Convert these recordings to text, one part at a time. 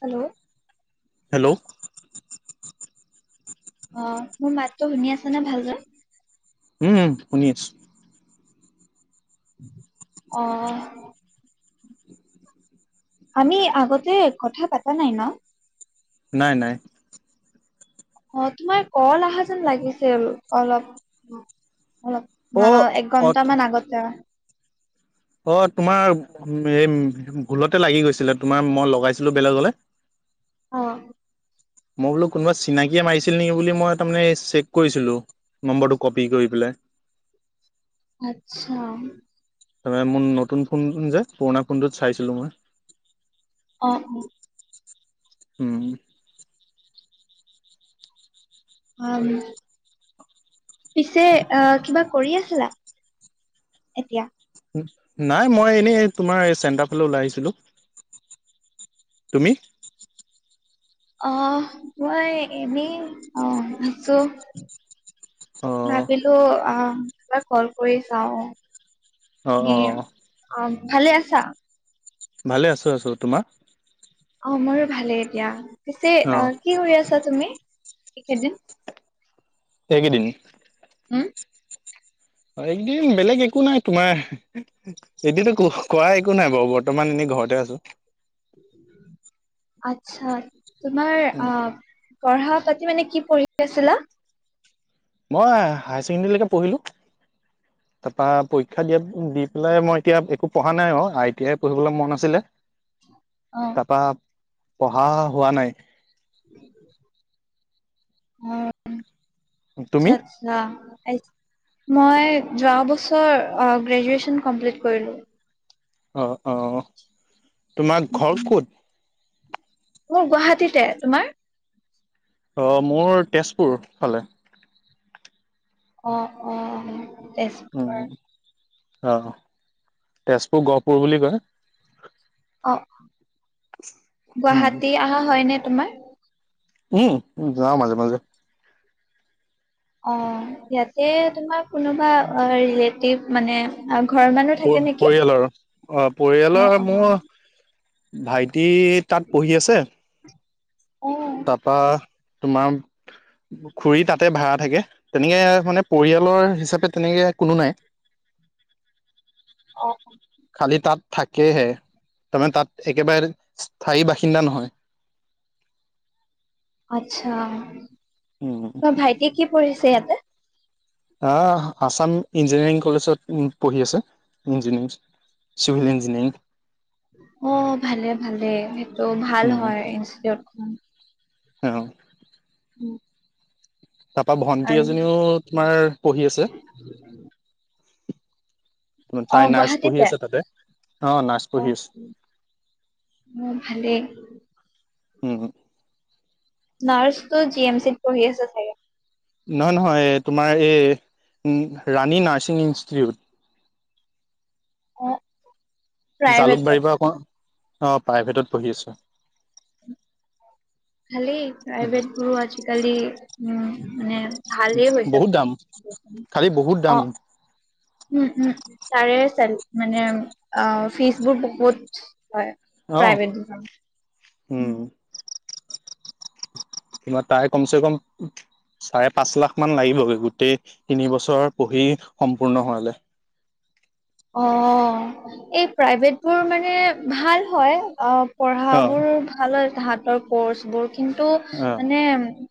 Hello. Hello. অ, মোৰ মাতটো শুনি আছে নে ভাল দৰে? উম শুনি আছো। অ', আমি আগতে কথা পাতা নাই ন? নাই নাই। অ, তোমাৰ কল অহা যেন লাগিছে আৰু অলপ অলপ। অ ন এক অ ঘন্টামান আগতে আৰু। অ, তোমাৰ এই ভুলতে লাগি গৈছিলে তোমাৰ মই লগাইছিলো বেলেগলে। অ। মই বোলো কোনোবা চিনাকিয়ে মাৰিছিল নেকি বুলি মই তাৰ মানে চেক কৰিছিলো। নম্বৰটো কপি কৰি পেলাই। আচ্ছা। তাৰমানে মোৰ নতুন ফোন যে পুৰণা ফোনটোত চাইছিলোঁ মই। অ, অ। উম। অ। পিছে অ, কিবা কৰি আছিলা এতিয়া? নাই মই এনেই তোমাৰ চনেটাৰ ফালে ওলাই আহিছিলো। তুমি? অ, মই এনেই অ, আছো। অ ভাবিলো আহ এবাৰ কল কৰি চাও। অ অ এ, অ, ভালে আছা? ভালে আছো আছো। তোমাৰ? অ মোৰো ভালেই এতিয়া পিছে অ কি কৰি আছা তুমি এইকেইদিন? একেইদিন উম। অ, একদিন বেলেগ একো নাই তোমাৰ এতিতো কোৱা একো নাই বাৰু বৰ্তমান এনেই ঘৰতে আছো। আচ্ছা, তোমাৰ উ আহ পঢ়া পাতি মানে কি পঢ়ি আছিলা? মই হায়ছেকণ্ডৰীলৈকে পঢ়িলোঁ। [unintelligible] তাৰপা পৰীক্ষা দিয়া দি পেলাই মই এতিয়া একো পঢ়া নাই অ আই টি আই পঢ়িবলৈ মন আছিলে। অ। তাপা পঢ়া হোৱা নাই। অ তুমি আচ্ছা। মই যোৱা বছৰ গ্ৰেজুৱেচন কমপ্লিট কৰিলো। অ অ তোমাৰ ঘৰ উম, ক'ত? মোৰ গুৱাহাটীতে, তোমাৰ? অঁ মোৰ তেজপুৰ ফালে। অ অ তেজ অ তেজপুৰ গহপুৰ বুলি কয়। অ উম গুৱাহাটী অহা হয় নে তোমাৰ? উম যাও মাজে মাজে। অ ইয়াতে তোমাৰ কোনোবা অ ৰিলেটিভ মানে আৰু ঘৰৰ মানুহ থাকে নেকি পৰিয়ালৰ অ অ পৰিয়ালৰ অ মোৰ ভাইটি তাত পঢ়ি আছে, অ তাৰপা তোমাৰ খুৰী তাতে ভাড়া থাকে তেনেকে মানে, পৰিয়ালৰ হিচাপে তেনেকে কোনো নাই। অ অ। খালি তাত থাকেহে তাৰমানে তাত একেবাৰে স্থায়ী বাসিন্দা নহয়। আত্ছা উম, তোমাৰ ভাইটিয়ে কি পঢ়িছে ইয়াতে? আছাম ইঞ্জিনিয়াৰিং কলেজত পঢ়ি আছে ইঞ্জিনিয়াৰিং। Civil engineering. অ ভালে ভালে সেইটো ভাল উম, হয় ইনষ্টিটিউট খন। অ। উম। তাৰাপা ভন্টি এজনীও তোমাৰ পঢ়ি আছে। তাই অ', নাৰ্ছ গুৱাহাটীতে পঢ়ি আছে তাতে অ নাৰ্ছ পঢ়ি আছে। মোৰ ভালেই। উম হ। নাৰ্চতো জি এম চিত পঢ়ি আছে চাগে। নহয় নহয় তোমাৰ এই ৰাণী নাৰ্ছিং ইনষ্টটিটিউট। অ। প্ৰাইভেটত জালুকবাৰীৰ পৰা অকন অ প্ৰাইভেটত পঢ়ি আছো। খালি প্ৰাইভেট বুৰো আজিকালি উ মানে ভালেই হৈ বহুত দাম, যায় খালি বহুত অ। দাম, উম উম উ তাৰে মানে অ ফিজ বোৰ বহুত হয়। অ', প্ৰাইভেট বোৰ উম, কিবা তাই কমচে কম। চাৰে পাঁচ লাখ মান লাগিবগৈ গোটেই তিনি বছৰ পঢ়ি সম্পূৰ্ণ হোৱালৈ। অ এই প্ৰাইভেটবোৰ মানে ভাল হয় অ। পঢ়া অ বোৰ ভাল হয় তাহাতৰ কৰ্চ বোৰ কিন্তু, অ মানে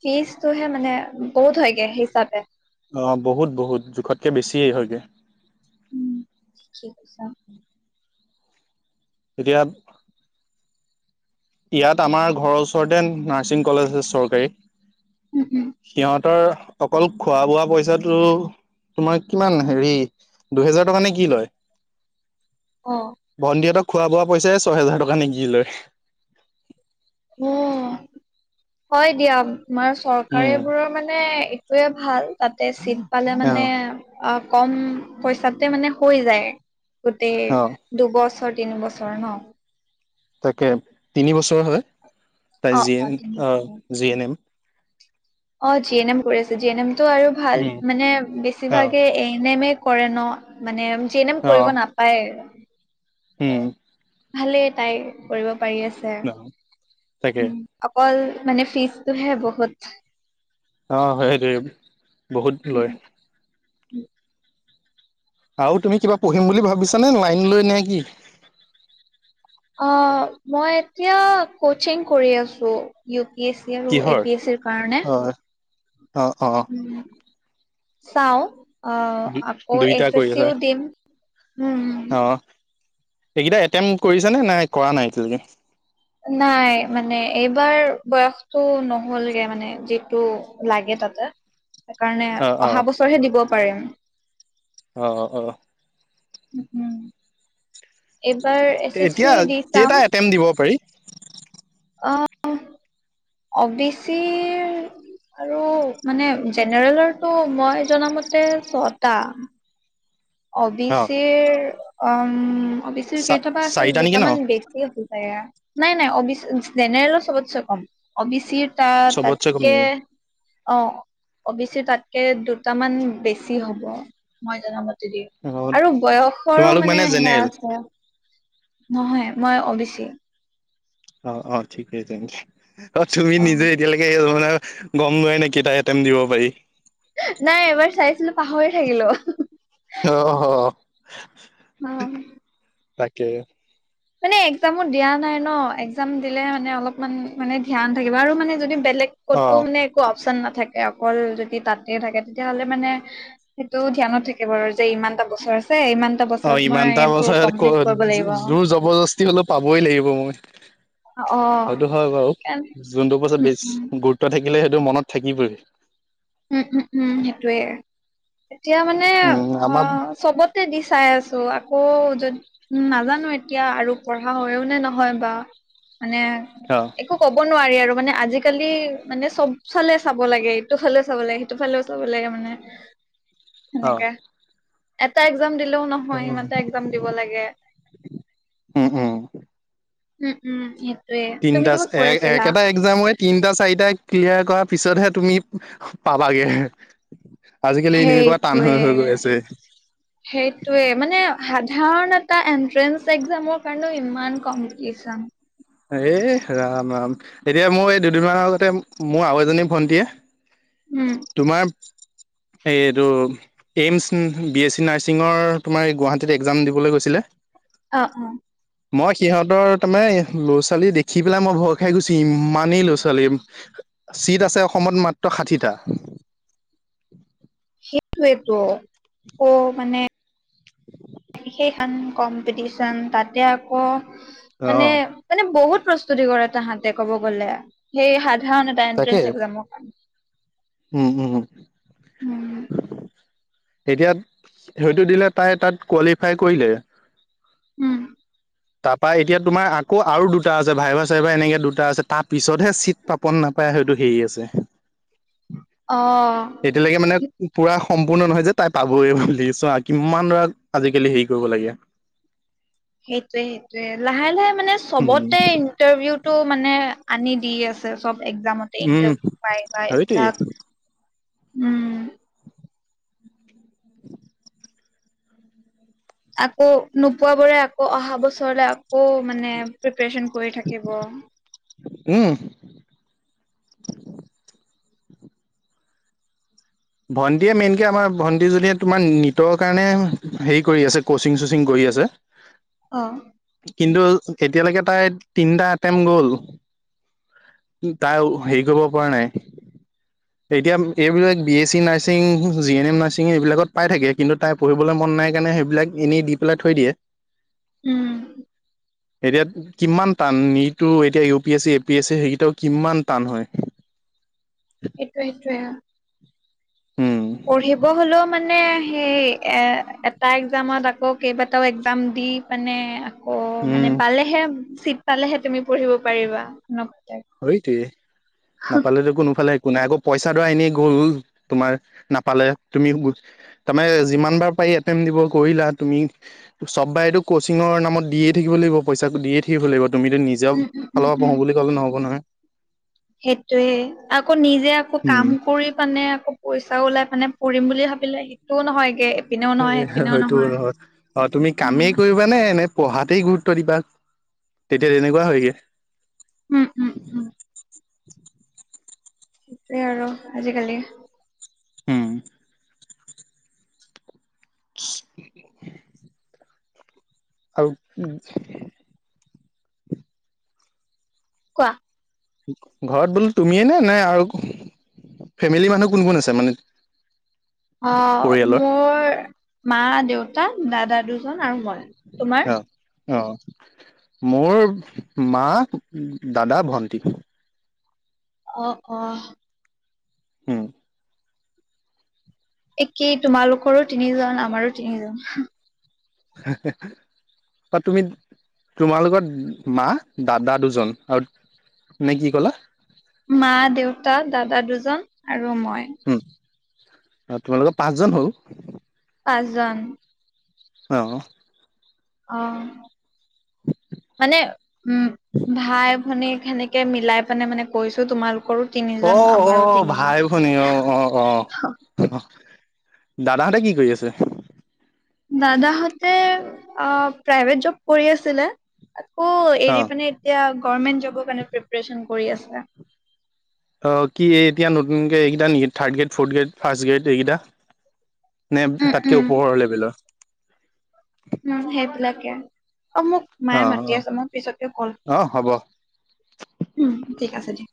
ফিজটোহে মানে বহুত হয়গে হিচাপে, অ বহুত বহুত জোখতকে বেছিয়ে হয়গে। উম ঠিকেই কৈছা। এতিয়া ইয়াত আমাৰ ঘৰৰ ওচৰতে নাৰ্ছিং কলেজ আছে চৰকাৰী উম, উম, সিহঁত তৰ অকল খোৱা বোৱা পইচাটো তোমাৰ কিমান হেৰি দুহেজাৰ টকা নে কি লয় অ', ভণ্টিহতক খোৱা বোৱা পইচাই ছয় হেজাৰ টকা নে কি লয়। উ হয় দিয়া আমাৰ উম চৰকাৰীবোৰৰ মানে তুৰে ভাল তাতে চিত পালে অ মানে অ কম পইচাতে মানে হৈ যায় গোটেই অ দুবছৰ তিন বছৰ ন তাকে তিনিবছৰ হয় তাই অ', জি অ', এন তিনি বছৰ। জি এন এম অ জি এন এম কৰি আছে জি এন এম তটো আৰু ভাল উম মানে অ বেছিভাগে এ এন এম এ কৰে ন মানে জি এন এম অ কৰিব নাপায় উম ভালেই তাইৰ কৰিব পাৰি আছে অ তাকে উ অকল মানে ফিজটোহে বহুত। অঁ হয় হেইটোয়ে বহুত লয় উম আৰু তুমি কিবা পঢ়িম বুলি ভাবিছা নে লাইন লৈ নে কি? অ মই এতিয়া কচিং কৰি আছো ইউ পি এছ চি আৰু এ কিহৰ পি এছ চিৰ কাৰণে অ অ অ চাও অ আকৌ দুইটা এছ এছ কৰি আছা চিও দিম উম সেইকেইটা এটেমট কৰিছা নে নাই কৰা নাই এতিয়ালৈকে নাই মানে এইবাৰ বয়সটো নহলগে মানে যিটো লাগে তাতে সেইকাৰণে অ অ অহা বছৰহে দিব পাৰিম। অ অ উ এইবাৰ এছ এছ চি দি চাম টেম দিব পাৰি অ অ' বি চিৰ আৰু মানে জেনেৰেলৰটো মই জনামতে ছটা অবি অ চিৰ অম অবি চিৰ চা কেইটা বা আছে চাৰিটা নেকি ন দুটামান বেছি হল নাই নাই অ জেনেৰেলো চবতচে কম অবি চি টা চবতছে কম তাকে নেকি অ অ বি চি তাতকে দুটামান বেছি হ'ব মই জনা মতে অ আৰু বয়সৰো তোমালোক মানে সেয়া জেনেৰেল আছে নহয়, মই অ বি চি। অ', অ', ঠিকেই তেন্তে অ তুমি নিজে এতিয়ালৈকে এই ধৰে গম পোৱাই নাই কেইটা আইটেম দিব পাৰি। নাই এবাৰ চাইছিলো পাহৰি থাকিলো। অ', অ', উম। তাকে মানে একজামো দিয়া নাই ন একজাম দিলে মানে অলপমান মানে ধ্যান থাকিব আৰু মানে যদি বেলেগ অ ক'তো মানে একো অপচন নাথাকে অকল যদি তাতে থাকে তেতিয়াহলে মানে সেইটো ধ্যানত থাকে বাৰু যে ইমানটা বছৰ আছে ইমান এটা অ বছৰত মই এইটোৰ কমপ্লিট কৰিব লাগিব। জবৰজস্তি হ'লেও পাবই লাগিব মই সেইটো হয় বাৰু উম যোনটো পাছত উম বেছি গুৰুত্ব থাকিলে সেইটো মনত থাকিবই। উম উম উম সেইটোৱে, এতিয়া মানে উম আমাৰ অ' চবতে দি চাই আছো আকৌ য উম নাজানো এতিয়া আৰু পঢ়া হৈও নে নহয় বা মানে অ' একো ক'ব নোৱাৰি আৰু মানে আজিকালি মানে চব ফালে চাব লাগে এইটো চালে চাব লাগে সেইটো ফালেও চাব লাগে মানে অ সেনেকা এটা এক্জাম দিলেও নহয় হয় ইমানটা এক জাম দিব লাগে, উম উম উম উম উম। এ তুমি কিবা কৈ আছিলা? যে মই তিনটা চাৰিটা ক্লিয়াৰ কৰাৰ পিছতহে তুমি পাবাগে। আজিকালি এনেকুৱা টান হৈ সেইটোয়ে হৈ গৈ আছে। [inaudible] সেইটোয়ে মানে সাধাৰণ এটা এন্ট্ৰেন্স এক্জামৰ কাৰণেও ইমান কম্পিটিচন। এ ৰাম ৰাম এতিয়া মোৰ এই দুদিনমানৰ আগতে মোৰ আৰু এজনী ভন্টীয়ে উম তোমাৰ এই এইটো এইমছ বি এছ চি নাৰ্ছিঙৰ তোমাৰ এই গুৱাহাটীত একজাম দিবলৈ গৈছিলে। অ' অ' মই সিহঁতৰ তাৰমানে ল'ৰা ছোৱালী দেখি পেলাই মই ভয় খাই গৈছো ইমানেই ল'ৰা ছোৱালী। চিট আছে অসমত মাত্ৰ ষাঠিটা। সেইটোৱেটো, অ মানে সেইখন কম্পিটিচন তাতে আকৌ মানে মানে বহুত প্ৰস্তুতি কৰে তাহাঁতে ক'ব গলে সেই সা ধাৰণ এটা তাকে এণ্ট্ৰেন্স একজামৰ কাৰণে। উম উম। উম এতিয়া সেইটো দিলে তাই তাত কোৱালিফাই কৰিলে। উম। তাৰ পৰা এতিয়া তোমাৰ আকৌ আৰু দুটা আছে ভাইভা চাইভা এনেকে দুটা আছে তাৰ পিছতহে চিট পাব। নে নাপায় হয়টো হেৰি আছে। অ', এতিয়ালৈকে মানে পুৰা সম্পূৰ্ণ নহয় যে তাই পাবই বুলি, চোৱা আৰু কিমান ধৰা আজিকালি হেৰি কৰিব লগীয়া। সেইটোয়ে সেইটোয়ে লাহে লাহে মানে উম চবতে ইন্টাৰভিউত টো মানে আনি দি আছে চব একজামতে উম ইন্টাৰভিউ ভাইবা সেইটোৱেই এইবিলাক। উম। আকৌ নোপোৱাবোৰে আকৌ অহা বছৰলে আ আকৌ মানে প্ৰিপাৰচন কৰি থাকিব। উম। ভণ্টিয়ে মেইনকে আমাৰ ভণ্টিজনিয়ে তোমাৰ নীটৰ কাৰণে হেৰি কৰি আছে কচিং চচিং কৰি আছে। অ। কিন্তু এতিয়ালৈকে তাই তিনিটা এটেম গ'ল! তাই হেৰি কৰিব পৰা নাই, এতিয়া এইবিলাক B S C nursing, G N M nursing এইবিলাকত পাই থাকে কিন্তু, তাই পঢ়িবলৈ মন নাই কাৰণে সেইবিলাক এনে দি পেলাই থৈ দিয়ে। উম। এতিয়া কিমান টান, নীতটো এতিয়া U P S C, A P S C সেইকেইটাও কিমান টান হয়। সেইটোৱে সেইটোৱে অ। উম। পঢ়িব হলেও মানে সেই, এ এটা একজামত আকৌ কেইবাটাও একজাম দি, মানে আকৌ মানে উম পালেহে চিট পালেহে তুমি পঢ়িব পাৰিবা। সইটয়ে। নাপালেতো কোনোফালে কোনাই আকৌ পইচাডৰা এনেই গ'ল, তোমাৰ নাপালে তুমি তাৰমানে যিমান বাৰ পাৰি এটেমট দিব কৰিলা, তুমি চব বাইতো কচিংৰ নামত দিয়ে থাকিব লাগিব, পইচা দিয়ে থা কি কৰিব লাগিব, তুমিতো নিজৰ উম উম ফালৰ উম পৰা উম পঢ়ো বুলি ক'লে নহ'ব নহয়। সেইটোয়ে। আকৌ নিজে আকৌ কাম উম কৰি পানে আকৌ পইচাও ওলাই মানে পঢ়িম বুলি ভাবিলে সেইটোও নহয়গে। এপিনেও নহয় এপিনেও সইটো নহয় হয়, অ তুমি উম কামেই কৰি কৰিবা নে, নে পঢ়াতেই গুৰুত্ব দিবা, তেতিয়া তেনেকুৱা হয়গে। উম উম উম। সেইটোৱে আৰু আজিকালি। উম। স [unintelligible] আৰু [unintelligible] কোৱা? ঘৰত বোলো তুমিয়ে নে নাই আৰু ফেমিলি মানুহ কোন কোন আছে মানে? অ' পৰিয়ালৰ মোৰ মা, দেউতা, দাদা দুজন আৰু মই। তোমাৰ অঁ। অ' মোৰ মা, দাদা, ভণ্টি। অ অ। হম। একেই তোমালোকৰো তিনিজন, আমাৰো তিনিজন। [unintelligible] বা তুমি তোমালোকৰ মা, দাদা দুজন আৰু নে কি কলা? মা, দেউতা, দাদা দুজন আৰু মই। উম, আৰু তোমালোকৰ পাঁচজন হল। পাঁচজন। অঁ। অ, মানে উম ভাই-ভনী সেনেকে মিলাই পনে মানে কৈছো তোমালোক। অ' অ' ভাই-ভনী অ' অ'। অঁ' দাদাহঁতে কি কৰি আছে? দাদাহঁতে প্ৰাইভেট জব কৰি আছিলে! আকৌ অ এৰি পেনে এতিয়া, গৰ্মেন্ট জবৰ কাৰানে প্ৰিপৰেচন কৰি আছে। অ' কি এতিয়া নতুনক কে এইকেইটা নেকি third grade, fourth grade, first grade এইকেইটা নে উম তাতকে উম ওপৰৰ লেবেলৰ? উম সেইবিলাকে, অ মোক অ মায়ে মাতি আছ মই পিছতকে কল অ অ হ'ব উম, ঠিক আছে দিয়া।